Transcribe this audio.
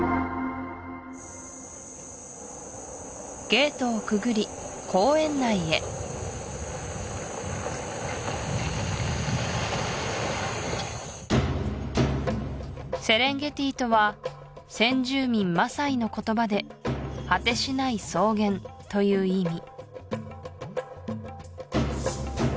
ゲートをくぐり公園内へセレンゲティとは先住民マサイの言葉で「果てしない草原」という意味